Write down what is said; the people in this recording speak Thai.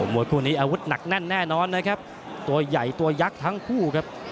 มวยคู่นี้อาวุธหนักแน่นแน่นอนตัวยักตัวยักทั้งคู่